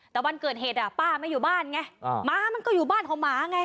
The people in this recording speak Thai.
แต่วันเกิดเหตุป้าไม่อยู่บ้านไงหมามันก็อยู่บ้านของหมาไง